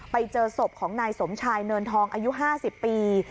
ไปเจอศพของนายสมชายเนินทองอายุ๕๐ปี